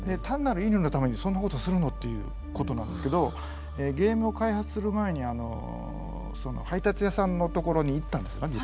単なる「いいね」のためにそんなことするのっていうことなんですけどゲームを開発する前に配達屋さんのところに行ったんですね